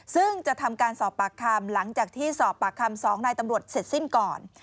ซึ่งจะทำการสอบปากคำหลังจากที่สอบปากคำ๒นายตำรวจเสร็จสิ้นก่อน